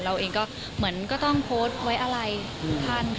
เราเองก็เหมือนก็ต้องโพสต์ไว้อะไรท่าน